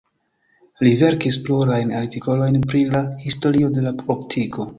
Li verkis plurajn artikolojn pri la historio de la optiko.